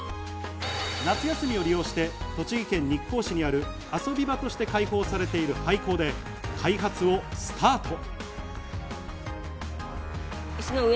夏休みを利用して、栃木県日光市にある遊び場として開放されている廃校で開発をスタート。